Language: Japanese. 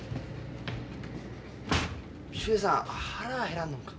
秀平さん腹減らんのんか。